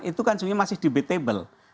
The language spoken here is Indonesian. itu kan sebenarnya masih debatable